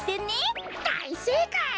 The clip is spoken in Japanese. だいせいかい！